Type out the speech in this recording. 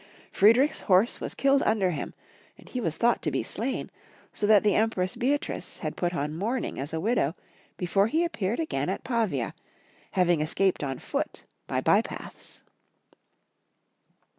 Friedrich's horse was killed under him, and he was thought to be slain, so that the Empress Beatrice had put on mourning as a widow, before he appeared again at Pavia, having escaped on foot by by paths.